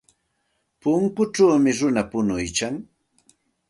Punkuchawmi runa punuykan.